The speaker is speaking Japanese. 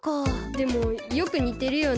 でもよくにてるよね。